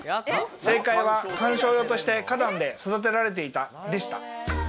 正解は観賞用として花壇で育てられていたでした。